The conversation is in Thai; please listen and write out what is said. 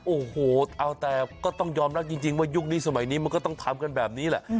โอ้โหเอาแต่ก็ต้องยอมรับจริงว่ายุคนี้สมัยนี้มันก็ต้องทำกันแบบนี้แหละ